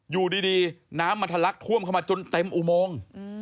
อยู่ดีน้ำมันทะลักท่วมเข้ามาจนเต็มอุโมง